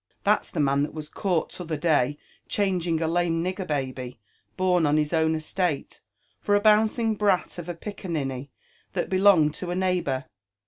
That's the man that was caught t'other day changing a lame nigger baby, horn on his own estate, for a bouncing brat of apiccaniny that belonged to a neiglvbour.